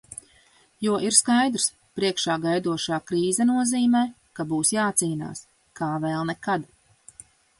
Jo ir skaidrs – priekšā gaidošā krīze nozīmē, ka būs jācīnās. Kā vēl nekad.